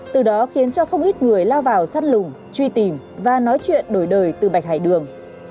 từ đó khiến cho không ít người lao vào sát lùng truy tìm và nói chuyện đổi đời từ bạch hải đường